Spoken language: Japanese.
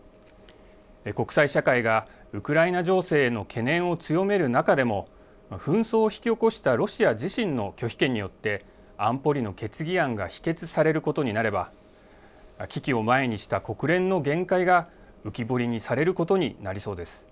国際社会がウクライナ情勢への懸念を強める中でも紛争を引き起こしたロシア自身の拒否権によって、安保理の決議案が否決されることになれば、危機を前にした国連の限界が浮き彫りにされることになりそうです。